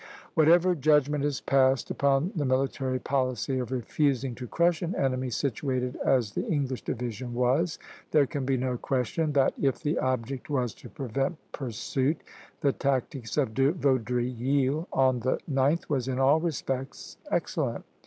Whatever judgment is passed upon the military policy of refusing to crush an enemy situated as the English division was, there can be no question that, if the object was to prevent pursuit, the tactics of De Vaudreuil on the 9th was in all respects excellent.